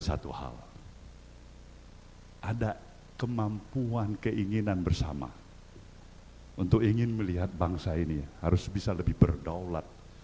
satu hal ada kemampuan keinginan bersama untuk ingin melihat bangsa ini harus bisa lebih berdaulat